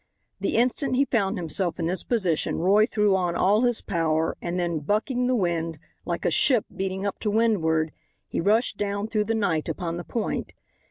The instant he found himself in this position Roy threw on all his power and then, "bucking" the wind, like a ship beating up to windward, he rushed down through the night upon the point.